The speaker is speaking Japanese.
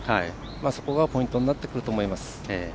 そこがポイントになってくると思います。